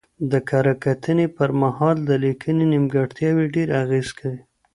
د کره کتنې پر مهال د لیکنې نیمګړتیاوې ډېر اغېز کوي.